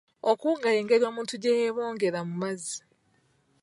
Okuwuga y'engeri omuntu gye yeebongera mu mazzi.